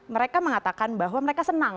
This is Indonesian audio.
mereka mengatakan bahwa mereka senang